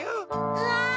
うわ！